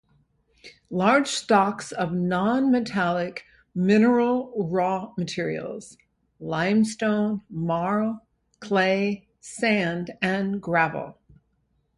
Large stocks of non-metallic mineral raw materials: limestone, marl, clay, sand and gravel.